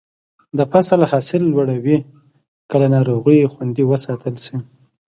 د فصل حاصل لوړوي که له ناروغیو خوندي وساتل شي.